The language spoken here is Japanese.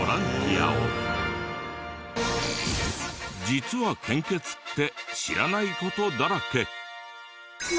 実は献血って知らない事だらけ。